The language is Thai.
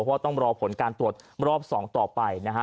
เพราะว่าต้องรอผลการตรวจรอบ๒ต่อไปนะฮะ